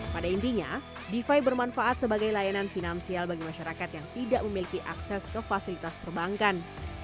pada intinya defi bermanfaat sebagai layanan finansial bagi masyarakat yang tidak memiliki akses ke fasilitas perbankan